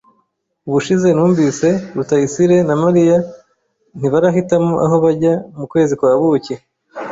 Ubushize numvise, Rutayisire na Mariya ntibarahitamo aho bajya mu kwezi kwa buki.